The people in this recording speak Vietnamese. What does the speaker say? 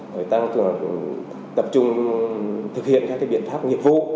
tập trung thực hiện các biện pháp nghiệp vụ